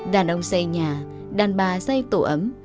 đàn ông xây nhà đàn bà xây tổ ấm